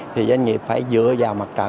thì doanh nghiệp phải dựa vào mặt trận